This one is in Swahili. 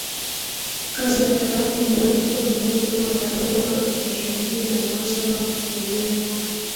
kazi ya torati iliyoandikwa mioyoni mwao dhamiri yao ikiwashuhudia na mawazo yao yenyewe kwa